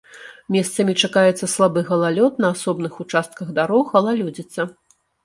Месцамі чакаецца слабы галалёд, на асобных участках дарог галалёдзіца.